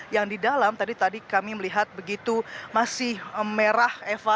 yang di dalam tadi tadi kami melihat begitu masih merah eva